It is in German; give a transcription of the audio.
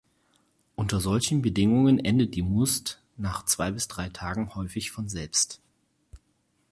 Unter solchen Bedingungen endet die Musth nach zwei bis drei Tagen häufig von selbst.